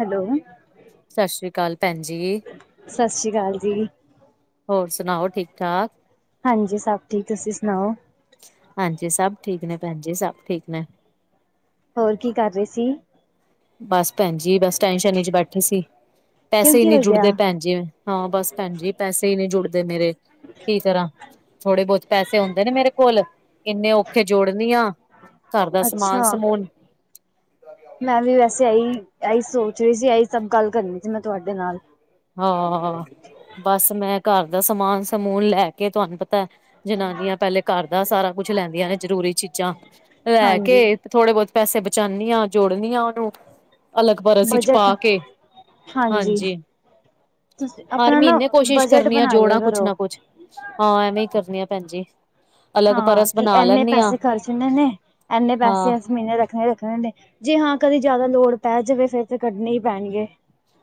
Hello ਸਤਿ ਸ਼੍ਰੀ ਅਕਾਲ ਭੈਣ ਜੀ ਸਤਿ ਸ੍ਰੀ ਅਕਾਲ ਜੀ ਹੋਰ ਸੁਣਾਓ ਠੀਕ ਠਾਕ ਹਾਂਜੀ ਸਭ ਠੀਕ ਤੁਸੀਂ ਸੁਣਾਓ ਹਾਂਜੀ ਸਭ ਠੀਕ ਨੇ ਭੈਣ ਜੀ ਸਭ ਠੀਕ ਨੇ ਹੋਰ ਕੀ ਕਰ ਰਹੇ ਸੀ। ਬਸ ਭੈਣ ਜੀ ਬਸ ਟੈਂਸ਼ਨ ਚ ਬੈਠੇ ਸੀ ਕਿਉਂ ਪੈਸੇ ਹੀ ਕੀ ਨੀ ਹੋ ਗਿਆ? ਜੁੜਦੇ ਭੈਣ ਜੀ ਹਾਂ ਬਸ ਭੈਣ ਜੀ ਪੈਸੇ ਹੀ ਨਹੀਂ ਜੁੜਦੇ ਮੇਰੇ ਕੀ ਕਰ੍ਹਾਂ ਥੋੜੇ ਬਹੁਤ ਪੈਸੇ ਆਉਦੇ ਨੇ ਮੇਰੇ ਕੋਲ ਇੰਨੇ ਔਖੇ ਜੋੜਨੀ ਆ ਘਰ ਦਾ ਸਮਾਨ ਅੱਛਾ। ਸਮੂਨ ਮੈਂ ਵੀ ਵੈਸੇ ਇਹੀ ਇਹੀ ਸੋਚ ਰਹੀ ਸੀ ਇਹੀ ਸਭ ਗੱਲ ਕਰਨੀ ਸੀ ਮੈਂ ਤੁਹਾਡੇ ਨਾਲ ਹਾਂ ਬਸ ਮੈਂ ਘਰ ਦਾ ਸਮਾਨ ਸਮੂਨ ਲੈ ਕੇ ਤੁਹਾਨੂੰ ਪਤਾ ਜਨਾਨੀਆਂ ਪਹਿਲੇ ਘਰ ਦਾ ਸਾਰਾ ਕੁੱਝ ਲੈਂਦੀਆਂ ਨੇ ਜ਼ਰੂਰੀ ਚੀਜ਼ਾਂ ਲੈ ਹਾਂਜੀ, ਕੇ ਥੋੜੇ ਬਹੁਤ ਪੈਸੇ ਬਚਾਉਂਦੀ ਹਾਂ ਜੋੜਨੀ ਆਂ ਉਹਨੂੰ ਅਲੱਗ ਪਰਸ ਵਿੱਚ ਬਜਟ ਪਾ ਕੇ ਹਾਂਜੀ ਤੁਸੀਂ ਹਰ ਆਪਣਾ ਨਾ ਮਹੀਨੇ ਕੋਸ਼ਿਸ਼ ਬਜਟ ਕਰਨੀ ਆ ਬਣਾ ਲਿਆ ਜੋੜਾ ਕੁਛ ਕਰੋ। ਨਾ ਕੁਛ ਹਾਂ ਐਵੇਂ ਹੀ ਕਰਨੀ ਆ ਭੈਣ ਜੀ। ਅਲੱਗ ਹਾਂ ਪਰਸ ਕਿ ਬਣਾ ਇਨੇ ਲੈਂਨੀ ਆ ਪੈਸੇ ਖਰਚਣੇ ਨੇ ਇਨੇ ਹਾਂ ਪੈਸੇ ਅਸੀਂ ਮਹੀਨੇ ਰੱਖਣੇ ਹੀ ਰੱਖਣੇ ਨੇ ਜੇ ਹਾਂ ਕਦੇ ਜ਼ਿਆਦਾ ਲੋੜ ਪੈ ਜਾਵੇ ਫਿਰ ਤਾਂ ਕੱਢਣੇ ਹੀ ਪੈਣਗੇ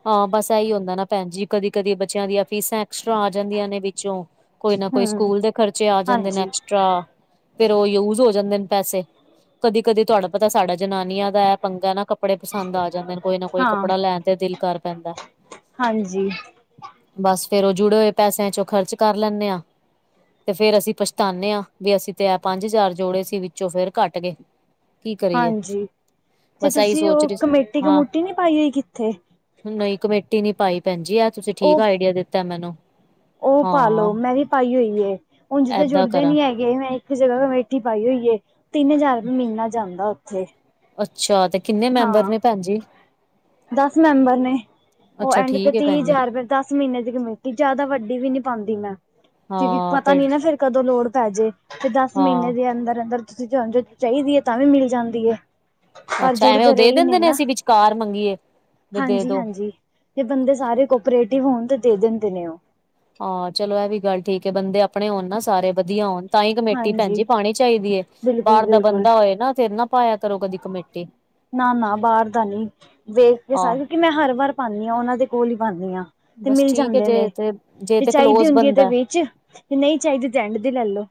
ਹਾਂ ਬਸ ਇਹੀ ਹੁੰਦਾ ਨਾ ਭੈਣ ਜੀ ਕਦੀ ਕਦੀ ਬੱਚਿਆਂ ਦੀਆਂ ਫੀਸਾਂ ਐਕਸਟਰਾ ਆ ਜਾਂਦੀਆਂ ਨੇ ਵਿੱਚੋਂ ਕੋਈ ਨਾ ਕੋਈ ਹੂੰ। ਸਕੂਲ ਦੇ ਖਰਚੇ ਆ ਜਾਂਦੇ ਨੇ ਹਾਂਜੀ, ਐਕਸਟਰਾ ਫਿਰ ਉਹ ਯੂਜ ਹੋ ਜਾਂਦੇ ਨੇ ਪੈਸੇ ਕਦੀ ਕਦੀ ਤੁਹਾਡਾ ਪਤਾ ਸਾਡਾ ਜਨਾਨੀਆਂ ਦਾ ਇਹ ਪੰਗਾ ਹੈ ਨਾ ਬੜੇ ਪਸੰਦ ਆ ਜਾਂਦੇ ਨੇ ਕੋਈ ਨਾ ਕੋਈ ਹਾਂ, ਕੱਪੜਾ ਲੈਣ ਤੇ ਦਿਲ ਕਰ ਪੈਂਦਾ ਹਾਂਜੀ ਬਸ ਫਿਰ ਉਹ ਜੁੜੇ ਹੋਏ ਪੈਸਿਆਂ ਚੋਂ ਖਰਚ ਕਰ ਲੈਂਦੇ ਆ ਤੇ ਫੇਰ ਅਸੀਂ ਪਛਤਾਨੇ ਹਾਂ, ਅਸੀਂ ਤੇ ਇਹ ਪੰਜ ਹਜ਼ਾਰ ਜੋੜੇ ਸੀ ਵਿੱਚੋਂ ਫੇਰ ਘੱਟ ਗਏ। ਕੀ ਕਰੀਏ ਹਾਂਜੀ ਤੇ ਬਸ ਇਹੀ ਤੁਸੀਂ ਸੋਚ ਉਹ ਰਹੀ ਕਮੇਟੀ ਹਾਂ ਕਮੂਟੀ ਨਹੀਂ ਪਾਈ ਹੋਈ ਕਿੱਥੇ? ਨਹੀਂ ਕਮੇਟੀ ਨੀ ਪਾਈ ਭੈਣ ਜੀ ਆ ਤੁਸੀਂ ਠੀਕ ਉਹ ਆਈਡੀਆ ਦਿੱਤਾ ਮੈਂਨੂੰ ਉਹ ਪਾਲੋ ਮੈਂ ਵੀ ਪਾਈ ਹੋਈ ਏ ਉਝ‌ ਤਾਂ ਏਦਾਂ ਜੁੜਦੇ ਕਰਾਂ ਨੀ ਹੈਗੇ [unintelligible] ਮੈਂ ਇੱਕ ਜਗ੍ਹਾ ਕਮੇਠੀ ਪਾਈ ਹੋਈਏ ਤਿੰਨ ਹਜ਼ਾਰ ਮਹੀਨਾ ਜਾਂਦਾ ਉੱਥੇ ਅੱਛਾ, ਤੇ ਕਿੰਨੇ ਮੈਂਬਰ ਹਾਂ ਨੇ ਭੈਣ ਜੀ? ਦਸ ਮੈਂਬਰ ਨੇ ਉਹ ਅੱਛਾ ਐਂਡ ਤੇ ਠੀਕ ਹੈ ਤੀਹ ਭੈਣ ਜੀ ਹਜ਼ਾਰ ਰੁਪਏ ਦਸ ਮਹੀਨੇ ਦੀ ਕਮੇਟੀ ਜਿਆਦਾ ਵੱਡੀ ਵੀ ਨੀ ਪਾਉਂਦੀ ਮੈਂ ਕਿਉਂਕਿ ਹਾਂ ਪਤਾ ਫਿਰ ਨਹੀਂ ਨਾ ਫੇਿਰ ਕਦੋਂ ਲੋੜ ਪੈ ਜੇ ਤੇ ਦਸ ਮਹੀਨੇ ਹਾਂ ਦੇ ਅੰਦਰ ਅੰਦਰ ਤੁਸੀ ਚਾਹੁੰਦੀ ਹੈ ਤਾਂ ਵੀ ਮਿਲ ਜਾਂਦੀ ਹੈ ਪਰ ਅੱਛਾ ਜੁੜ ਐਵੇਂ ਉਹ ਤੇ ਦੇ ਰਹੀ ਦਿੰਦੇ ਨੇ ਨਾ ਅਸੀਂ ਵਿਚਕਾਰ ਮੰਗੀਏ ਵੀ ਦੇ ਹਾਂਜੀ ਦੋ ਹਾਂਜੀ ਜੇ ਬੰਦੇ ਸਾਰੇ ਕੋਪਰੇਟਿਵ ਹੋਣ ਤੇ ਦੇ ਦਿੰਦੇ ਨੇ ਉਹ ਹਾਂ ਚਲੋ ਇਹ ਵੀ ਗੱਲ ਠੀਕ ਹੈ ਬੰਦੇ ਆਪਣੇ ਹੋਣ ਨਾ ਸਾਰੇ ਵਧੀਆ ਹੋਣ ਤਾਂ ਹੀ ਕਮੇਟ ਭੈਣਜੀ ਹਾਂਜੀ ਪਾਣੀ ਚਾਹੀਦੀ ਹੈ ਬਿਲਕੁਲ ਬਾਹਰ ਦਾ ਬਿਲਕੁਲ ਬੰਦਾ ਹੋਏ ਨਾ ਫਿਰ ਨਾ ਪਾਇਆ ਕਰੋ ਕਦੀ ਕਮੇਟੀ ਨਾ ਨਾ ਬਾਹਰ ਦਾ ਨ ਵੇਖ ਕੇ ਆਹ ਸਾਰੇ ਕਿਉਂਕਿ ਮੈਂ ਹਰ ਵਾਰ ਪਾਉਂਦੀ ਹਾਂ ਉਹਨਾਂ ਦੇ ਕੋਲ ਹੀ ਪਾਉਂਦੀ ਹਾਂ ਤੇ ਬਸ ਮਿਲ ਠੀਕ ਹੈ ਜਾਂਦੇ ਨੇ ਜੇ ਤੇ ਜੇ ਤੇ ਚਾਹੀਦੀ ਕਲੋਜ ਹੁੰਦੀ ਹੈ ਤੇ ਬੰਦਾ ਵਿੱਚ ਜੇ ਨਹੀਂ ਚਾਹੀਦੀ ਤਾਂ ਐਂਡ ਤੇ ਲੈ ਲਓ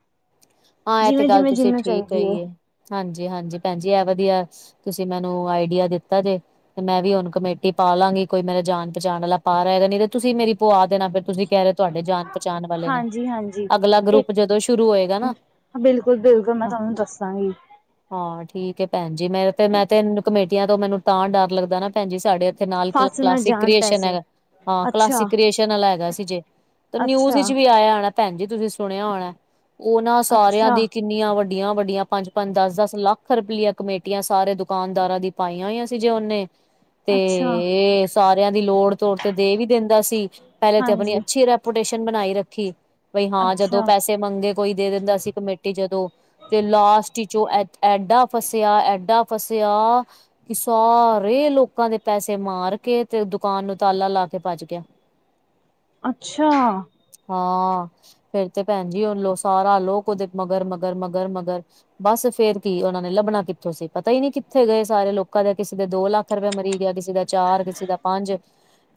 ਹਾਂ ਇਹ ਤੇ ਜਿਵੇਂ ਗੱਲ ਜਿਵੇਂ ਤੁਸੀਂ ਜਿਹਨੂੰ ਠੀਕ ਚਾਹੀਦੀ ਹੈ ਕਹੀ ਹਾਂਜੀ ਹਾਂਜੀ ਭੈਣਜੀ ਇਹ ਵਧੀਆ ਤੁਸੀਂ ਮੈਨੂੰ ਆਈਡੀਆ ਦਿੱਤਾ ਜੇ ਤੇ ਮੈਂ ਵੀ ਹੁਣ ਕਮੇਟੀ ਪਾ ਲਾਂਗੀ ਕੋਈ ਮੇਰਾ ਜਾਣ ਪਚਾਣਾ ਪਾ ਰਿਹਾ ਹੈਗਾ ਨਹੀਂ ਤੇ ਤੁਸੀਂ ਮੇਰੀ ਪੁਆ ਦੇਣਾ ਫਿਰ ਤੁਸੀਂ ਕਹਿ ਰਹੇ ਤੁਹਾਡੇ ਜਾਣ ਪਛਾਣ ਵਾਲੇ ਨੇ ਹਾਂਜੀ ਹਾਂਜੀ ਅਗਲਾ ਇੱਕ ਗਰੁੱਪ ਜਦੋਂ ਸ਼ੁਰੂ ਹੋਏਗਾ ਨਾ ਬਿਲਕੁਲ ਬਿਲਕੁਲ ਮੈਂ ਤੁਹਾਨੂੰ ਦੱਸਾਂਗੀ ਹਾਂ ਠੀਕ ਭੈਣ ਜੀ ਮੇਰੇ ਤੇ ਮੈਂ ਤੇ ਕਮੇਟੀਆਂ ਤੋਂ ਮੈਨੂੰ ਤਾਂ ਡਰ ਲੱਗਦਾ ਨਾ ਭੈਣ ਜੀ ਸਾਡੇ ਨਾਲ ਫਸ ਨਾ ਕਲਾਸਿਕ ਜਾਣ ਕ੍ਰੀਏਸ਼ਨ ਪੈਸੇ ਹੈਗਾ ਹਾਂ। ਅੱਛਾ ਕਲਾਸਿਕ ਕ੍ਰੀਏਸ਼ਨ ਚੈਨਲ ਹੈਗਾ ਸੀ, ਜੇ ਤਾਂ ਨਿਊਜ ਅੱਛਾ ਵਿੱਚ ਵੀ ਆਇਆ ਹੋਣਾ, ਭੈਣ ਜੀ ਤੁਸੀਂ ਸੁਣਿਆ ਹੋਣਾ ਉਹਨਾਂ ਸਾਰਿਆਂ ਦੀ ਅੱਛਾ ਇਕ ਇਕ ਇੰਨੀਆਂ ਵੱਡੀਆਂ- ਵੱਡੀਆਂ, ਪੰਜ -ਪੰਜ ਦਸ -ਦਸ ਲੱਖ ਰੁਪੀਆਂ ਕਮੇਟੀਆਂ ਸਾਰੇ ਦੁਕਾਨਦਾਰਾਂ ਦੀ ਪਾਈਆਂ ਹੋਈਆ ਸੀ ਜੇ ਉਹਨੇ ਅੱਛਾ ਤੇ, ਸਾਰਿਆਂ ਦੀ ਲੋੜ ਤੋੜ ਤੇ ਦੇ ਵੀ ਦਿੰਦਾ ਸੀ, ਪਹਿਲੇ ਤੇ ਆਪਣੀ ਹਾਂਜੀ ਅੱਛੀ ਰਹਿ ਰੈਪੋਟੇਸ਼ਨ ਬਣਾਈ ਰੱਖੀ, ਬਈ ਹਾਂ ਜਦੋਂ ਅੱਛਾ ਪੈਸੇ ਮੰਗੇ ਕੋਈ ਦੇ ਦਿੰਦਾ ਸੀ। ਕਮੇਟੀ ਜਦੋਂ ਤੇ ਲਾਸਟ ਵਿਚੋ ਐਡਾ ਫਸਿਆ, ਐਡਾ ਫਸਿਆ ਸਾਰੇ ਲੋਕਾਂ ਦੇ ਪੈਸੇ ਮਾਰ ਕੇ ਤੇ ਦੁਕਾਨ ਨੂੰ ਤਾਲਾ ਲਾ ਕੇ ਭੱਜ ਗਿਆ ਅੱਛਾ! ਹਾਂ ਫੇਰ ਤੇ ਭੈਣ ਜੀ ਉਹ ਲੋਕ ਸਾਰਾ ਲੋਕ ਉਦੇ ਮਗਰ ਮਗਰ ਮਗਰ ਮਗਰ ਬਸ ਫੇਰ ਕੀ ਉਹਨਾਂ ਨੇ ਲੱਭਣਾ ਕਿੱਥੋਂ ਸੀ? ਪਤਾ ਹੀ ਨਹੀਂ ਕਿੱਥੇ ਗਏ? ਸਾਰੇ ਲੋਕਾਂ ਦੇ ਕਿਸੇ ਦੇ ਦੋ ਲੱਖ। ਰੁਪਈਆਂ ਮਰੀ ਗਏ ਕਿਸੇ ਦਾ ਚਾਰ ਕਿਸੇ ਦਾ ਪੰਜ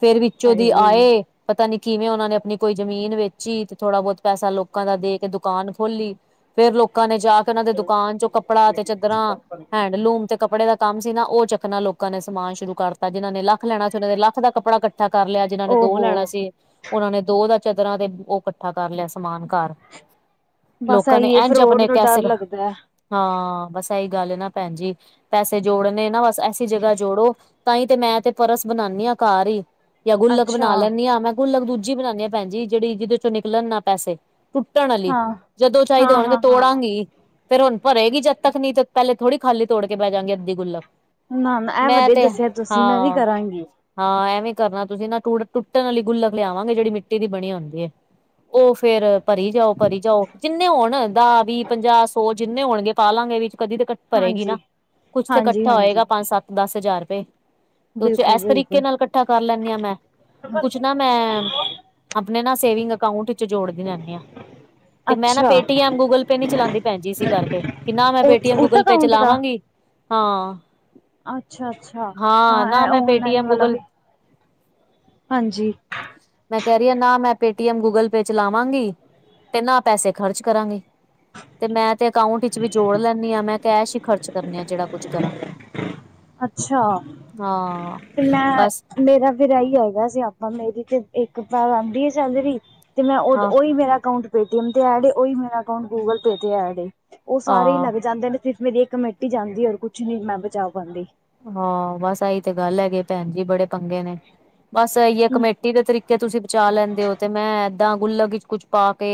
ਫੇਰ ਵਿੱਚੋਂ ਦੀ ਹਾਏ ਆਏ ਪਤਾ ਨੀ ਕਿਵੇਂ? ਉਹਨਾਂ ਨੇ ਆਪਣੀ ਕੋਈ ਜ਼ਮੀਨ ਵੇਚੀ ਤੇ ਥੋੜ੍ਹਾ ਬਹੁਤ ਪੈਸਾ ਲੋਕਾਂ ਦਾ ਦੇ ਕੇ ਦੁਕਾਨ ਖੋਲੀ। ਫੇਰ ਲੋਕਾਂ ਨੇ ਜਾ ਕੇ ਉਹਨਾਂ ਦੇ ਦੁਕਾਨ ਚੋਂ ਕੱਪੜਾ ਤੇ ਚਾਦਰਾਂ ਹੈਂਡਲੂਮ ਤੇ ਕੱਪੜੇ ਦਾ ਕੰਮ ਸੀ। ਨਾ ਉਹ ਚੱਕਣਾ ਲੋਕਾਂ ਨੇ, ਸਮਾਨ ਸ਼ੁਰੂ ਕਰਤਾ ਜਿਹਨਾਂ ਨੇ ਲ ਲੱਖ ਲੈਣਾ ਸੀ, ਉਹਨਾਂ ਦੇ ਲੱਖ ਦਾ ਕੱਪੜਾ ਇਕੱਠਾ ਕਰ ਲਿਆ। ਜਿਹਨਾਂ ਨੇ ਦੋ ਓਹੋ ਲੈਣਾ ਸੀ। ਉਹਨਾਂ ਨੇ ਦੋ ਦਾ ਚਾਦਰਾਂ ਤੇ ਉਹ ਇਕੱਠਾ ਕਰ ਲਿਆ ਸਮਾਨ ਘਰ ਬਸ ਲੋਕਾਂ ਨੇ ਇਹੀ ਹੈ ਇੰਝ ਫਰੋਡ ਆਪਣੇ ਤੋਂ ਡਰ ਕਸੇਗ ਲੱਗਦਾ ਹੈ। ਹਾਂ ਬਸ ਇਹੀ ਗੱਲ ਨਾ ਭੈਣ ਜੀ ਪੈਸੇ ਜੋੜਨੇ ਨਾ ਬਸ ਐਸੀ ਜਗ੍ਹਾ ਜੋੜੋ ਤਾਂਹੀ ਤੇ ਮੈਂ ਤੇ ਪਰਸ ਬਣਾਉਦੀ ਹਾਂ ਕਾਰ ਹੀ ਜਾਂ ਗੁੱਲਕ ਅੱਛਾ ਬਣਾ ਲੈਂਦੀ ਹਾਂ ਮੈਂ ਗੁੱਲਕ ਦੂਜੀ ਬਣਾਉਂਦੇ ਹਾਂ ਭੈਣ ਜੀ ਜਿਹੜੀ ਜਿਹਦੇ ਚੋਂ ਨਿਕਲਣ ਨਾ ਪੈਸੇ ਟੁੱਟਣ ਵਾਲੀ ਹਾਂ ਜਦੋਂ ਚਾਹੀਦੇ ਹਾਂ ਹੋਣਗੇ ਹਾਂ ਹਾਂ ਤੋੜਾਂਗੀ ਫਿਰ ਹੁਣ ਭਰੇਗੀ ਜਦ ਤੱਕ ਨੀ ਤੇ ਪਹਿਲੇ ਥੋੜੀ ਖਾਲੀ ਤੋੜ ਕੇ ਬਹਿ ਜਾਗੇ ਅੱਧੀ ਗੋਲਕ ਨਾ ਇਹ ਵਧੀਆ ਦੱਸਿਆ ਤੁਸੀਂ ਮੈਂ ਵੀ ਕਰਾਂਗੀ। ਹਾਂ ਐਵੇਂ ਕਰਨਾ ਤੁਸੀਂ ਨਾ ਟੁੱਟਣ ਵਾਲੀ ਗੁੱਲਕ ਲਿਆਵਾਂਗੇ ਜਿਹੜੀ ਮਿੱਟੀ ਦੀ ਬਣੀ ਹੁੰਦੀ ਹੈ। ਉਹ ਫਿਰ ਭਰੀ ਜਾਓ, ਭਰੀ ਜਾਓ ਜਿੰਨੇ ਹੋਣ ਦਸ ਵੀਹ ਪੰਜਾਹ ਸੌ ਜਿੰਨੇ ਹੋਣਗੇ ਪਾਲਾਂਗੇ ਵੀ ਕਦੀ ਤਾਂ ਭਰੇਗੀ ਹਾਂਜੀ ਨਾ ਕੁਛ ਤੇ ਹਾਂਜੀ ਇਕੱਠਾ ਹਾਂਜੀ ਹੋਏਗਾ ਪੰਜ- ਸੱਤ -ਦਸ ਹਜ਼ਾਰ ਰੁਪਏ ਕੁਛ ਬਿਲਕੁਲ ਇਸ ਤਰੀਕੇ ਬਿਲਕੁਲ ਨਾਲ ਇਕੱਠਾ ਕਰ ਲੈਂਦੀ ਹਾਂ ਮੈਂ ਕੁਛ ਨਾ ਮੈਂ ਆਪਣੇ ਨਾ ਸੇਵਿੰਗ ਅਕਾਊਂਟ ਵਿੱਚ ਜੋੜਦੀ ਰਹਦੀ ਤੇ ਮੈਂ ਨਾ ਅੱਛਾ ਪੇਟੀਐਮ -ਗੂਗਲ ਪੇ ਨੀ ਚਲਾਉਂਦੀ ਭੈਣ ਜੀ ਇਸੀ ਕਰਕੇ ਕਿ ਨਾ ਮੈਂ ਉਸ ਪੇਟੀਐਮ- ਉਸ ਗੂਗਲ ਪੇ ਅਕਾਊਂਟ ਦਾ ਚਲਾਵਾਂਗੀ ਹਾਂ ਅੱਛਾ ਅੱਛਾ ਹਾਂ ਨਾ ਇਹ ਮੈਂ ਓਨਲਾਈਨ ਪੇਟੀਐਮ- ਵਾਲਾ ਗੂਗਲ ਵੀ [inaudible] ਹਾਂਜੀ। ਮੈਂ ਕਹਿ ਰਹੀ ਨਾ ਮੈਂ ਪੇਟੀਐਮ- ਗੂਗਲ ਪੇ ਚਲਾਵਾਂਗੀ ਨਾ ਪੈਸੇ ਖਰਚ ਕਰਾਂਗੀ ਤੇ ਮੈਂ ਤੇ ਅਕਾਊਂਟ ਵਿਚ ਵੀ ਜੋੜ ਲੈਂਦੀ ਹਾਂ ਮੈਂ ਐਸ਼ ਹੀ ਖਰਚ ਕਰਨੀ ਆ ਜਿਹੜਾ ਕੁੱਝ ਕਰਾਂ ਅੱਛਾ ਹਾਂ ਤੇ ਮੈਂ ਬਸ ਮੇਰਾ ਫਿਰ ਇ ਹੀ ਆਏਗਾ ਸਿਆਪਾ ਮੇਰੀ ਤੇ ਇੱਕ ਸਾਲ ਆਂਦੀ ਆ ਸੈਲਰੀ ਤੇ ਮੈਂ ਉਦ ਹਾਂ ਉਹੀ ਮੇਰਾ ਅਕਾਊਂਟ ਪੇਟੀਐਮ 'ਤੇ ਐਡ ਉਹੀ ਮੇਰਾ ਅਕਾਊਂਟ ਗੂਗਲ ਪੇ 'ਤੇ ਐਡ ਹੈ। ਉਹ ਸਾਰੇ ਹੀ ਹਾਂ ਲੱਗ ਜਾਂਦੇ ਨੇ ਸਿਰਫ ਮੇਰੀ ਇੱਕ ਕਮੇਟੀ ਜਾਂਦੀ ਔਰ ਕੁਛ ਨੀ ਮੈਂ ਬਚਾ ਪਾਉਂਦੀ ਹਾਂ ਬਸ ਆਹੀ ਤੇ ਗੱਲ ਹੈਗੇ ਭੈਣ ਜੀ ਬੜੇ ਪੰਗੇ ਨੇ ਬਸ ਇਹੀ ਹੈ ਹਮ ਕਮੇਟੀ ਦੇ ਤਰੀਕੇ ਤੁਸੀਂ ਬਚਾ ਲੈਂਦੇ ਹੋ ਤੇ ਮੈਂ ਦਾਂ ਗੁੱਲ ਕੁਛ ਪਾ ਕੇ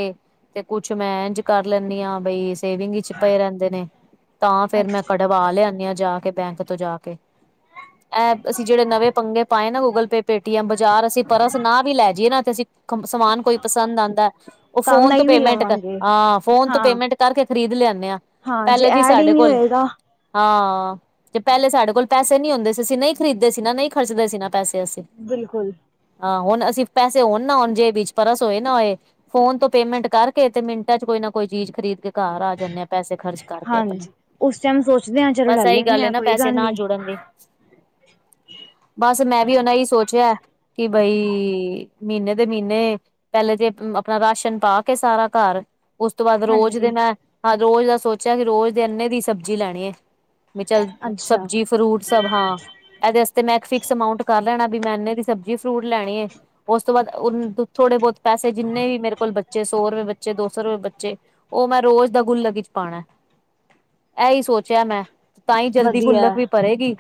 ਤੇ ਕੁਛ ਮੈਂ ਇੰਝ ਕਰ ਲੈਂਦੀ ਹਾਂ ਬਈ ਸੇਵਿੰਗ ਵਿੱਚ ਪਏ ਰਹਿੰਦੇ ਨੇ ਤਾਂ ਫਿਰ ਮੈਂ ਅੱਛਾ ਕਢਵਾ ਲਿਆਦੀ ਹਾਂ ਜਾ ਕੇ ਬੈਂਕ ਤੋਂ ਜਾ ਕੇ ਕੇ ਹੈ ਅਸੀਂ ਜਿਹੜੇ ਨਵੇਂ ਪੰਗੇ ਪਾਏ ਨਾ ਗੂਗਲ ਪੇਟੀਐਮ ਬਾਜ਼ਾਰ ਅਸੀਂ ਪਰਸ ਨਾ ਵੀ ਲੈ ਜਾਈਏ ਨਾ ਅਸੀਂ ਸਮਾਨ ਕੋਈ ਪਸੰਦ ਆਉਂਦਾ ਉਹ ਤਾਂ ਫੋਨ ਤੋਂ ਨਹੀਂ ਵੀ ਪੇਮੈਂਟ ਕਰ ਲਵਾਂਗੇ ਹਾਂ ਫੋਨ ਤੋਂ ਹਾਂ ਪੇਮੈਂਟ ਕਰ ਕੇ ਖਰੀਦ ਲਿਆਦੇ ਹਾਂ ਜੇ ਪਹਿਲੇ ਜੀ ਐਡ ਹੀ ਸਾਡੇ ਨਹੀਂ ਕੋਲ ਹੋਏਗਾ ਹਾਂ ਤੇ ਪਹਿਲੇ ਸਾਡੇ ਕੋਲ ਪੈਸੇ ਨੀ ਹੁੰਦੇ ਸੀ ਅਸੀਂ ਨਹੀਂ ਖਰੀਦਦੇ ਸੀ ਨਾ ਨਹੀਂ ਖਰਚਦੇ ਸੀ ਨਾ ਪੈਸੇ ਅਸੀਂ ਬਿਲਕੁਲ ਹਾਂ ਹੁਣ ਅਸੀਂ ਪੈਸੇ ਹੋਣ ਨਾ ਹੁਣ ਜੇ ਵਿੱਚ ਪਰਸ ਹੋਏ ਨਾ ਹੋਏ ਫੋਨ ਤੋਂ ਪੇਮੈਂਟ ਕਰਕੇ ਤੇ ਮਿੰਟਾਂ ਚ ਕੋਈ ਨਾ ਕੋਈ ਚੀਜ਼ ਖਰੀਦ ਕੇ ਘਰ ਆ ਜਾਂਦੇ ਆ ਪੈਸੇ ਖਰਚ ਕਰਕੇ ਆਪਣੇ ਹਾਂਜੀ ਉਸ ਟਾਈਮ ਸੋਚਦੇ ਹਾਂ ਚਲੋ ਬਸ ਲੈ ਇਹੀ ਲੈਂਦੇ ਗੱਲ ਹਾਂ ਨਾ ਕੋਈ ਪੈਸੇ ਗੱਲ ਨਾ ਨੀ ਜੁੜਨ ਬਸ ਮੈਂ ਵੀ ਉਹਨਾ ਹੀ ਸੋਚਿਆ ਕਿ ਬਈ ਮਹੀਨੇ ਦੇ ਮਹੀਨੇ ਪਹਿਲੇ ਤੇ ਆਪਣਾ ਰਾਸ਼ਨ ਪਾ ਕੇ ਸਾਰਾ ਘਰ ਉਸ ਤੋਂ ਬਾਅਦ ਰੋਜ਼ ਦੇ ਹਾਂਜੀ ਮੈਂ ਹਾਂ ਰੋਜ਼ ਦਾ ਸੋਚਿਆ ਕਿ ਰੋਜ਼ ਦੇ ਅੰਨੇ ਦੀ ਸਬਜ਼ੀ ਲੈਣੀ ਹੈ। ਵੀ ਚੱਲ ਅੱਛਾ ਸਬਜ਼ੀ ਫਰੂਟ ਸਭ ਹਾਂ ਇਹਦੇ ਵਸਤੇ ਮੈਂ ਇੱਕ ਫਿਕਸ ਅਮਊਂਟ ਕਰ ਲੈਣਾ ਵੀ ਮੈਂ ਇਹਨੇ ਦੀ ਸਬਜ਼ੀ ਫਰੂਟ ਲੈਣੀ ਏ ਉਸ ਤੋਂ ਬਾਅਦ ਉਹ ਥੋੜੇ ਬਹੁਤ ਪੈਸੇ ਜਿੰਨੇ ਵੀ ਮੇਰੇ ਕੋਲ ਬੱਚੇ ਸੌ ਰੁਪਏ ਬੱਚੇ ਦੋ ਸੌ ਰੁਪਏ ਬੱਚੇ ਉਹ ਮੈਂ ਰੋਜ਼ ਦਾ ਗੁਲਕ ਚ ਪਾਉਣਾ ਇਹੀ ਸੋਚਿਆ ਮੈਂ ਤਾਂ ਹੀ ਜਲਦੀ ਵਧੀਆ ਗੁਲਕ ਵੀ ਭਰੇਗੀ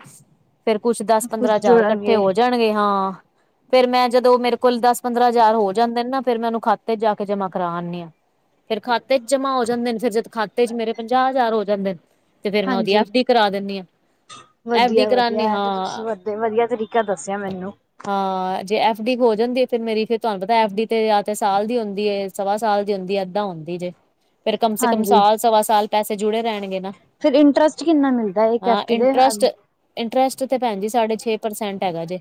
ਫਿਰ ਕੁਛ ਦਸ ਪੰਦਰਾਂ ਕੁਛ ਹਜ਼ਾਰ ਇਕੱਠੇ ਜੋੜਨਗੇ ਹੋ ਜਾਣਗੇ ਹਾਂ ਫਿਰ ਮੈਂ ਜਦੋਂ ਮੇਰੇ ਕੁਲ ਦਸ ਪੰਦਰਾਂ ਹਜ਼ਾਰ ਹੋ ਜਾਂਦੇ ਨੇ ਨਾ ਫਿਰ ਮੈਂ ਉਹਨੂੰ ਖਾਤੇ ਚ ਜਾ ਕੇ ਜਮਾ ਕਰਾ ਆਦੀ ਹਾਂ ਫੇਿਰ ਖਾਤੇ ਚ ਜਮਾਂ ਹੋ ਜਾਂਦੇ ਨੇ ਫਿਰ ਜਦ ਖਾਤੇ ਚ ਮੇਰੇ ਪੰਜਾਹ ਹਜ਼ਾਰ ਹੋ ਜਾਂਦੇ ਨੇ ਤੇ ਫੇਿਰ ਮੈਂ ਉਹਦੀ ਐਫ ਡੀ ਕਰਾ ਦਿੰਦੀ ਹਾਂ ਵਧੀਆ-ਵਧੀਆ ਏ ਤੇ ਤੁਸੀਂ ਵਧ ਵਧੀਆ ਤਰੀਕਾ ਦੱਸਿਆ ਮੈਨੂੰ ਹਾਂ ਜੇ ਐਫ ਡੀ ਹੋ ਜਾਂਦੀ ਹੈ ਫੇਿਰ ਮੇਰੀ ਫੇਰ ਤੁਹਾਨੂੰ ਪਤਾ ਐਫ ਡੀ ਤੇ ਜਾਂ ਤੇ ਸਾਲ ਦੀ ਹੁੰਦੀ ਹੈ ਸਵਾ ਸਾਲ ਦੀ ਹੁੰਦੀ ਅੱਦਾਂ ਹੁੰਦੀ ਜੇ ਫੇਰ ਕਮ ਸੇ ਕਮ ਸਾਲ ਸਵਾ ਸਾਲ ਪੈਸੇ ਜੁੜੇ ਰਹਿਣਗੇ ਨਾ ਫੇਿਰ ਇੰਟਰਸਟ ਕਿੰਨਾ ਮਿਲਦਾ ਇਕ ਹਾਂ ਏਫਟੀ ਦੇ ਇੰਟਰਸਟ ਇੰਟਰਸਟ ਤੇ ਭੈਣ ਜੀ ਸਾਡੇ ਛੇ ਪਰਸੈਂਟ ਹੈਗਾ ਜੇ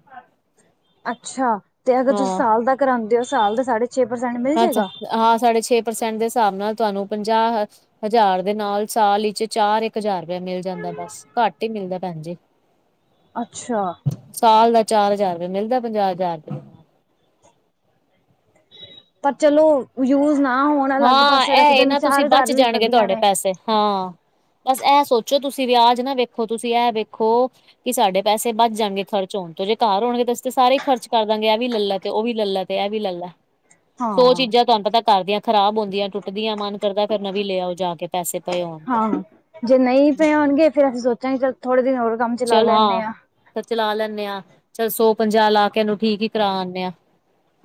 ਅੱਛਾ ਤੇ ਅਗਰ ਤੁਸੀਂ ਹਾਂ ਸਾਲ ਦਾ ਕਰਾਉਂਦੇ ਹੋ ਸਾਲ ਦੇ ਸਾਢੇ ਛੇ ਪ੍ਰਸੈਂਟ ਮਿਲ ਅੱਛਾ ਜਾਏਗਾ ਹਾਂ ਸਾਡੇ ਛੇ ਪਰਸੈਂਟ ਦੇ ਹਿਸਾਬ ਨਾਲ ਤੁਹਾਨੂੰ ਪੰਜਾਹ ਹਜ਼ਾਰ ਦੇ ਨਾਲ ਸਾਲ ਵਿਚ ਚਾਰ ਇੱਕ ਹਜ਼ਾਰ ਵੇ ਮਿਲ ਜਾਂਦਾ ਬਸ ਘੱਟ ਹੀ ਮਿਲਦਾ ਭੈਣ ਜੀ ਅੱਛਾ ਸਾਲ ਦਾ ਚਾਰ ਹਜ਼ਾਰ ਰੁਪਏ ਮਿਲਦਾ ਪੰਜਾਹ ਹਜ਼ਾਰ ਰੁਪਏ ਨਾਲ। ਪਰ ਚਲੋ ਯੂਜ ਨਾ ਹੋਣ ਅਲੱਗ ਹਾਂ ਪਾਸੇ ਇਹੇ ਰੱਖਦੇ ਨੇ ਨਾ ਤੁਸੀਂ ਚਾਰ ਬਚ ਹਜ਼ਾਰ ਵੀ ਜਾਣਗੇ ਵਧੀਆ ਤੁਹਾਡੇ ਨੇ ਪੈਸੇ ਹਾਂ ਬਸ ਇਹ ਸੋਚੋ ਤੁਸੀਂ ਵਿਆਜ ਨਾ ਵੇਖੋ ਤੁਸੀਂ ਇਹ ਵੇਖੋ ਕਿ ਸਾਡੇ ਪੈਸੇ ਵਬਚ ਜਾਣਗੇ ਖਰਚ ਹੋਣ ਤੋਂ ਜੇ ਘਰ ਹੋਣਗੇ ਤਾਂ ਸਾਰੇ ਹੀ ਖਰਚ ਕਰ ਦਾਂਗੇ ਇਹ ਵੀ ਲੈਲੈ ਤੇ ਉਹ ਵੀ ਲੈਲੈ ਤੇ ਏਵੀ ਲੈਲੈ ਸੋ ਹਾਂ ਚੀਜ਼ਾਂ ਤੁਹਾਨੂੰ ਪਤਾ ਬਰਦੀਆਂ ਖ਼ਰਾਬ ਹੁੰਦੀਆਂ ਟੁੱਟਦੀਆਂ ਮਨ ਕਰਦਾ ਫੇਰ ਨਵੀਂ ਲਿਆਓ ਜਾ ਕੇ ਪੈਸੇ ਪਏ ਹੋਣ ਤੇ ਹਾਂ ਜੇ ਨਹੀਂ ਪਏ ਹੋਣਗੇ ਫੇ ਅਸੀਂ ਸੋਚਾਂਗੇ ਚ ਥੋੜੇ ਦਿਨ ਹੋਰ ਕੰਮ ਚਲਾ ਚਲ ਹਾਂ ਲੈਂਦੇ ਫੇਰ ਚਲਾ ਲੈਂਦੇ ਆਂ ਚੱਲ ਸੌ ਪੰਜਾਹ ਲਾ ਕੇ ਇਹਨੂੰ ਠੀਕ ਹੀ ਕਰਾ ਆਂਦੇ ਆਂ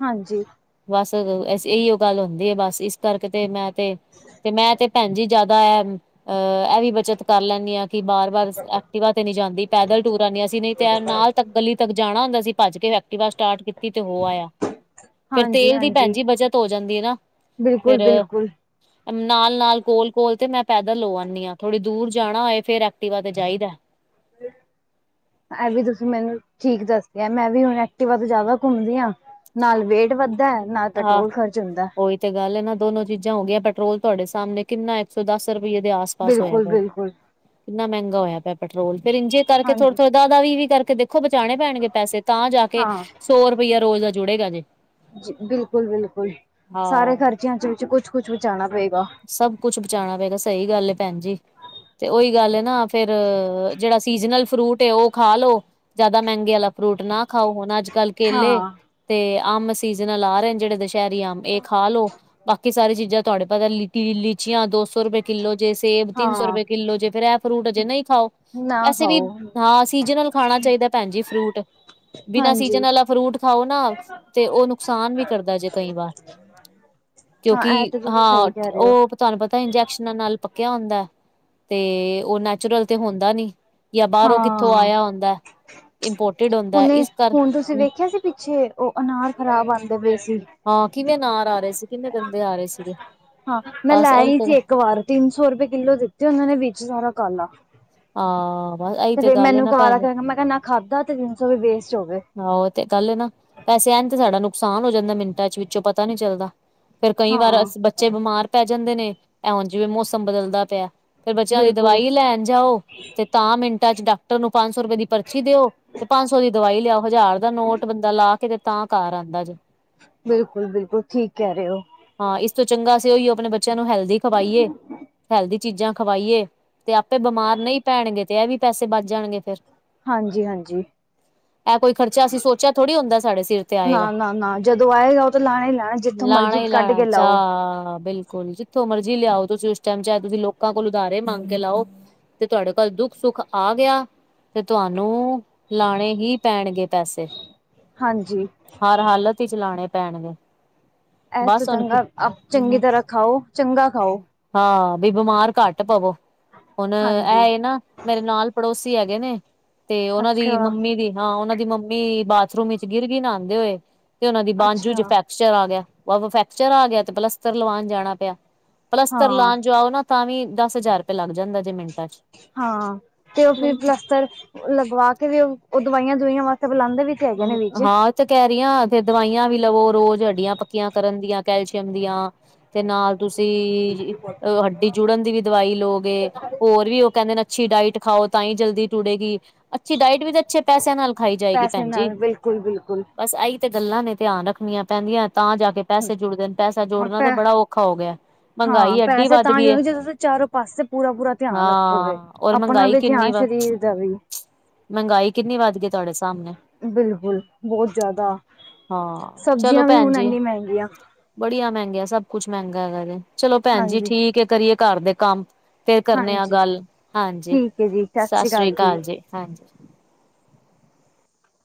ਹਾਂਜੀ ਬਸ ਇਹੀ ਉਹੋ ਗੱਲ ਹੁੰਦੀ ਹੈ ਬਸ ਇਸ ਕਰਕੇ ਤੇ ਮੈਂ ਤੇ-ਤੇ ਮੈਂ ਤੇ ਭੈਣ ਜੀ ਜ਼ਿਆਦਾ ਇਹ ਅਹ ਇਹ ਵੀ ਬੱਚਤ ਕਰ ਲੈਂਦੀ ਹਾਂ ਕਿ ਬਾਰ-ਬਾਰ ਐਕਟੀਵਾ ਨਹੀਂ ਜਾਂਦੀ ਪੈਦਲ ਟੂਰ ਆਣੇ ਆ ਅਸੀਂ ਨਹੀਂ ਤੇ ਨਾਲ ਤੱਕ ਗੱਲੀ ਤੱਕ ਜਾਣਾ ਹੁੰਦਾ ਸੀ ਭੱਜ ਕੇ ਫੈਕਟੀਵਾ ਸਟਾਰਟ ਕੀਤਾ ਤੀ ਤੇ ਹੋ ਆਇਆ ਫੇਿਰ ਹਾਂਜੀ ਤੇਲ ਦੀ ਭੈਣ ਹਾਂਜੀ ਜੀ ਬਚਤ ਹੋ ਜਾਂਦੀ ਨਾ, ਬਿਲਕੁਲ ਫਿਰ ਬਿਲਕੁਲ ਨਾਲ-ਨਾਲ ਕੋਲ-ਕੋਲ ਤੇ ਮੈਂ ਪੈਦਲ ਹੋ ਆਉਂਦੀ ਹਾਂ ਥੋੜ੍ਹੀ ਦੂਰ ਜਾਣਾ ਹੋਏ ਫੇਿਰ ਐਕਟੀਵਾ ਤੇ ਜਾਈਦਾ ਹ ਇਹ ਵੀ ਤੁਸੀਂ ਮੈਨੂੰ ਠੀਕ ਦੱਸਦੇ ਮੈਂ ਵੀ ਹੁਣ ਐਟੀਵਾ ਤੇ ਜ਼ਿਆਦਾ ਘੁੰਮਦੀ ਆਂ ਨਾਲ ਵੇਟ ਵੱਧਦਾ ਨਾਲ ਹਾਂ ਪੈਟਰੋਲ ਖਰਚ ਹੁੰਦਾ ਉਹੀ ਤੇ ਗੱਲ ਇਹ ਨਾ ਦੋਨੋ ਚੀਜ਼ਾਂ ਹੋ ਗਆਂ ਪੈਟਰੋਲ ਤੁਹਾਡੇ ਸਾਹਮਣੇ ਕਿੰਨਾ ਇੱਕ ਸੌ ਦਸ ਰੁਪਈਏ ਦੇ ਆਸ ਸ ਪਾਸ ਹੋਇਆ ਬਿਲਕੁਲ ਪਿਆ ਬਿਲਕੁਲ ਕਿੰਨਾ ਮਹਿੰਗਾ ਹੋਇਆ ਪਿਆ ਪੈਟਰੋਲ ਫਿਰ ਇੰਝੇ ਕਰਕੇ ਹਾਂਜੀ ਥੋੜੇ-ਥੋੜੇ ਦੱਸ ਦੱਸ ਵੀਹ-ਵੀਹ ਕਰਕੇ ਦੇਖੋ ਬਚਾਉਣੇ ਪੈਣਗੇ ਪੈਸੇ ਤਾਂ ਜਾ ਕੇ ਹਾਂ ਸੌ ਰੁਪਇਆ ਰੋਜ਼ ਦਾ ਜੁੜੇਗਾ ਜੇ ਬਿਲਕੁਲ-ਬਿਲਕੁਲ ਸਾਰੇ ਹਾਂ ਖਰਚਿਆਂ ਚ ਵਿੱਚ ਕੁਛ-ਕੁਛ ਬਚਾਉਣਾ ਪਏਗਾ ਸਭ ਕੁਛ ਬਚਾਉਣਾ ਪਏਗਾ ਸਹੀ ਗੱਲ ਭੈਣ ਜੀ ਤੇ ਉਹੀ ਗੱਲ ਹੈ ਨਾ ਫਿਰ ਜਿਹੜਾ ਸੀਜ਼ਨਲ ਫਰੂਟ ਹੈ ਉਹ ਖਾ ਲੋ ਜ਼ਿਆਦਾ ਮਹਿੰਗੇ ਵਾਲਾ ਫਰੂਟ ਨਾ ਖਾਓ ਹੁਣ ਅੱਜ ਕੱਲ੍ਹ ਕੇਲੇ ਹਾਂ। ਤੇ ਆਮ ਸੀਜਨਲ ਆ ਰਹੇ ਨੇ ਜਿਹੜੇ ਦੁਸ਼ਹਿਰੀ ਆਮ ਇਹ ਖਾ ਲੋੋ ਬਾਕੀ ਸਾਰੀ ਚੀਜ਼ਾਂ ਤੁਹਾਡੇ ਪਤਾ ਕਿ ਲੀਚੀਆਂ ਦੋ ਸੌ ਰੁਪਏ ਕਿੱਲੋ ਜੇ ਸੇਬ ਤਿੰਨ ਸੌ ਹਾਂ ਰੁਪਏ ਕਿੱਲੋ ਜੇ ਫਿਰ ਇਹ ਫਰੂਟ ਜੇ ਨਹੀਂ ਖਾਓ ਨਾ ਵੈਸੇ ਵੀ ਖਾਓ ਹਾਂ ਸੀਜਨਲ ਖਾਣਾ ਚਾਹੀਦਾ ਭੈਣ ਜੀ ਫਰੂਟ ਬਿਨਾਂ ਸੀਜਨ ਹਾਂਜੀ ਆਲਾ ਫਰੂਟ ਖਾਓ ਨਾ ਤੇ ਉਹ ਨੁਕਸਾਨ ਵੀ ਕਰਦਾ ਜੇ ਕਈ ਵਾਰ ਹਾਂ ਕਿਉਂਕਿ ਇਹ ਤੇ ਤੁਸੀਂ ਹਾਂ ਸਹੀ ਕਹਿ ਰਹੇ ਹੋ। ਉਹ ਤੁਹਾਨੂੰ ਪਤਾ ਇੰਜੈਕਸ਼ਨਾਂ ਨਾਲ ਪੱਕਿਆ ਹੁੰਦਾ ਤੇ ਉਹ ਨੈਚੁਰਲ ਤੇ ਹੁੰਦਾ ਨੀ ਕੀ ਬਾਹਰੋਂ ਕਿੱਥੋਂ ਆਇਆ ਹੁੰਦਾ ਇੰਪੋਰਟਡ ਹੁੰਦਾ ਹੁਨੇ ਇਸ ਕਰ ਹੁਣ ਤੁਸੀਂ ਹਮ ਵੇਖਿਆ ਸੀ ਪਿੱਛੇ ਉਹ ਅਨਾਰ ਖ਼ਰਾਬ ਆਉਂਦੇ ਪਏ ਸੀ। ਹਾਂ ਕਿਵੇਂ ਅਨਾਰ ਆ ਰਹੇ ਸੀ ਕਿੰਨੇ ਗੰਦੇ ਆ ਰਹੇ ਸੀਗੇ ਹਾਂ ਮੈਂ ਲੈ ਬਸ ਆਹੀ ਆਈ ਤੇ ਸੀ ਇੱਕ ਵਾਰ ਤਿੰਨ ਸੌ ਰੁਪਏ ਕਿੱਲੋ ਦਿੱਤੇ ਉਹਨਾਂ ਨੇ ਵਿੱਚ ਸਾਰਾ ਕਾਲਾ ਆਂ ਤੇ ਫਿਰ ਮੈਨੂੰ ਕਾਲਾ ਕਰ ਮੈਂ ਕਹ ਖਾਧਾ ਤੇ ਤਿੰਨ ਸੌ ਵੇਸਟ ਹੋਗੇ ਆਹੋ ਤੇ ਗੱਲ ਨਾ ਪੈਸੇ ਆਣ ਤੇ ਸਾਡਾ ਨੁਕਸਾਨ ਹੋ ਜਾਂਦਾ ਮਿੰਟਾਂ ਚ ਵਿੱਚੋਂ ਪਤਾ ਨੀ ਚੱਲਦਾ ਫਿਰ ਕਈ ਵਾਰ ਹਾਂ ਬੱਚੇ ਬਿਮਾਰ ਪੈ ਜਾਂਦੇ ਨੇ ਇੰਜ ਜਿਵੇਂ ਮੌਸਮ ਬਦਲਦਾ ਪਿਆ ਫਿਰ ਬੱਚਿਆਂ ਦੀ ਬਿਲਕੁਲ, ਦਵਾਈ ਲੈਣ ਜਾਓ ਤੇ ਤਾਂ ਮਿੰਟਾਂ ਚ ਡਾ ਡਾਕਟਰ ਨੂੰ ਪੰਜ ਸੌ ਰੁਪਏ ਦੀ ਪਰਚੀ ਦਿਓ ਤੇ ਪੰਜ ਸੌ ਦੀ ਦਵਾਈ ਲਿਆਓ ਹਜ਼ਾਰ ਦਾ ਨੋਟ ਬੰਦਾ ਲਾ ਕੇ ਤੇ ਤਾਂ ਘਰ ਆਉਂਦਾ ਜੇ ਬਿਲਕੁਲ ਬਿਲਕੁਲ ਠੀਕ ਕਹਿ ਰਹੇ ਹੋ ਹਾਂ ਇਸ ਤੋਂ ਚੰਗਾ ਅਸੀਂ ਉਹੀਓ ਆਪਣੇ ਬੱਚਿਆਂ ਨੂੰ ਹੈਲਦੀ ਖਵਾਈਏ ਹੈਲਦੀ ਚੀਜ਼ਾਂ ਖਵਾਈਏ ਤੇ ਆਪੇ ਬਿਮਾਰ ਨਹੀਂ ਪੈਣਗੇ ਤੇ ਇਹ ਵੀ ਪੈਸੇ ਬਚ ਜਾਣਗੇ ਫਿਰ ਹਾਂਜੀ ਹਾਂਜੀ ਕੋਈ ਖਰਚਾ ਅਸੀਂ ਸੋਚਿਆ ਥੋੜ੍ਹੀ ਹੁੰਦਾ ਸਾਡੇ ਸਿਰ ਤੇ ਆਏਗਾ ਨਾ ਨਾ ਨਾ ਜਦੋਂ ਆਏਗਾ ਉਹ ਤਾਂ ਲੈਣਾ ਹੀ ਲੈਣਾ ਜਿੱਥੋਂ ਮਰਜੀ [unintelligible] ਚਾ ਹਾਂ ਬਿਲਕੁਲ ਜਿੱਥੋਂ ਮਰਜ਼ੀ ਲਿਆਓ ਤੁਸੀਂ ਉਸ ਟਾਈਮ ਚਾਹੇ ਤੁਸੀਂ ਲੋਕਾਂ ਕੋਲ ਉਦਾਰੇ ਮੰਗ ਕੇ ਲਾਓ ਤੇ ਤੁਹਾਡੇ ਕੋਲ ਦੁੱਖ ਸੁੱਖ ਆ ਗਿਆ ਤੇ ਤੁਹਾਨੂੰ ਲਾਣੇ ਹੀ ਪੈਣਗੇ ਪੈਸੇ ਹਾਂਜੀ ਹਰ ਹਾਲਤ ਹੀ ਚਲਾਉਣੇ ਪੈਣਗੇ ਐਸ ਤੋਂ ਬਸ ਚੰਗਾ ਚੰਗੀ ਹੁਣ ਤਰ੍ਹਾਂ ਖਾਓ ਚੰਗਾ ਖਾਓ ਹਾਂ ਬਿਮਾਰ ਘੱਟ ਪਵੋ ਹੁਣ ਹਾਂਜੀ ਇਹ ਨਾ ਮੇਰੇ ਨਾਲ ਪੜੋਸੀ ਹੈਗੇ ਨੇ ਤੇ ਉਹਨਾਂ ਦੀ ਅੱਛਾ, ਮੰਮੀ ਦੀ ਹਾਂ ਉਹਨਾਂ ਦੀ ਮੰਮੀ ਬਾਥਰੂਮ ਵਿੱਚ ਗਿਰ ਨਾ ਆਉਂਦੇ ਹੋਏ ਤੇ ਉਹਨਾਂ ਦੀ ਬਾਂਝੂ ਅੱਛਾ ਚ ਫੈਕਚਰ ਆ ਗਿਆ ਫੈਕਚਰ ਆ ਗਿਆ ਤੇ ਪਲਸਤਰ ਲਵਾਉਣ ਜਾਣਾ ਪਿਆ ਪਲਸਤਰ ਹਾਂ, ਲਾਉਣ ਜਾ ਉਹ ਨਾ ਤਾਂ ਵੀ ਦਸ ਹਜ਼ਾਰ ਰੁਪਏ ਲੱਗ ਜਾਂਦਾ ਜੇ ਮਿੰਟਾਂ ਚ ਹਾਂ ਤੇ ਉਹ ਫਰ ਮੈਨੂੰ ਪਲੱਸਤਰ ਲਗਵਾ ਕੇ ਵੀ ਉਹ ਉਹ ਦਵਾਈਆਂ ਦਵੁਈਆ ਵਾਸਤੇ ਬੁਲਾਉਂਦੇ ਵੀ। ਤੇ ਹੈਗੇ ਨੇ ਵਿੱਚ। ਹਾਂ ਕਹਿ ਰਹੀ ਦਵਾਈਆਂ ਵੀ ਲਵੋ ਰੋਜ਼ ਹੱਡੀਆਂ ਪੱਕੀਆਂ ਕਰਨ ਦੀਆਂ ਕੈਲਸ਼ੀਅਮ ਦੀਆਂ ਤੇ ਨਾਲ ਤੁਸੀਂ ਹੱਡੀ ਜੋੜਨ ਦੀ ਵੀ ਦਵਾਈ ਲਓਗੇ ਹੋਰ ਵੀ ਉਹ ਕਹਿੰਦੇ ਨੇ ਅੱਛੀ ਡਾਇਟ ਖਾਓ ਤਾਂ ਹੀ ਜਲਦੀ ਟੁੜੇਗੀ ਅੱਛੀ ਡਾਇਟ ਵੀ ਤਾਂ ਅੱਛੇ ਪੈਸਿਆਂ ਨਾਲ ਖਾਈ ਜਾਏਗੀ ਪੈਸੇ ਭੈਣ ਜੀ ਨਾਲ ਬਿਲਕੁਲ ਬਿਲਕੁਲ ਬਸ ਇਹੀ ਤੇ ਗੱਲਾਂ ਨੇ ਧਿਆਨ ਰੱਖਣੀਆਂ ਪੈਂਦੀਆਂ ਤਾਂ ਜਾ ਕੇ ਪੈਸੇ ਜੁੜਦੇ ਨੇ ਪੈਸਾ ਹਾਂ ਜੋੜਨਾ ਤੇ ਪੈ ਬੜਾ ਔਖਾ ਹੋ ਗਿਆ ਹਾਂ ਮਹਿੰਗਾਈ ਐਡੀ ਪੈਸੇ ਵੱਧ ਤਾਂ ਜੋ ਗਈ ਹੈ ਹੋਣਗੇ ਜਦੋਂ ਤੁਸੀਂ ਚਾਰੋਂ ਪਾਸੇ ਪੂਰਾ ਪੂਰਾ ਧਿਆਨ ਰੱਖੋਗੇ ਹਾਂ ਔਰ ਆਪਣਾ ਮਹਿੰਗਾਈ ਵੀ ਕਿੰਨੀ ਧਿਆਨ ਵ ਸਰੀਰ ਦਾ ਵੀ ਮਹਿੰਗਾਈ ਕਿੰਨੀ ਵੱਧ ਗਈ ਤੁਹਾਡੇ ਸਾਹਮਣੇ ਬਿਲਕੁਲ ਬਹੁਤ ਜ਼ਿਆਦਾ ਹਾਂ ਸਬਜ਼ੀਆਂ ਵੀ ਹੁਣ ਇਨੀ ਮਹਿੰਗੀਆਂ ਬੜੀਆਂ ਮਹਿੰਗੀਆਂ ਸਭ ਕੁਛ ਮਹਿੰਗਾ ਹੈਗਾ ਜੇ ਚਲੋ ਭੈਣ ਜੀ ਠੀਕ ਹੈ ਕਰੀਏ ਘਰ ਦੇ ਕੰਮ ਫਿਰ ਕਰਨੇ ਆ ਹਾਂਜੀ-ਹਾਂਜੀ ਗੱਲ ਹਾਂਜੀ ਸਤਿ ਸ੍ਰੀ ਅਕਾਲ ਜੀ ਹਾਂਜੀ